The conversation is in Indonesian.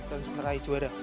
dan meraih juara